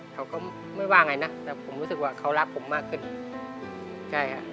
เขาก็ไม่ว่าไงนะแต่ผมรู้สึกว่าเขารักผมมากขึ้นใช่ครับ